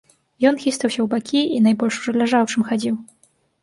Ён хістаўся ў бакі і найбольш ужо ляжаў, чым хадзіў.